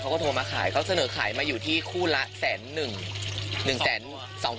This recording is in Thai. เขาก็โทรมาขายเขาเสนอขายมาอยู่ที่คู่ละ๑๒๐๐บาท